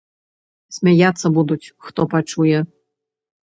Смяяцца будуць, хто пачуе.